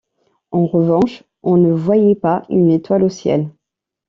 En revanche, on ne voyait pas une étoile au ciel.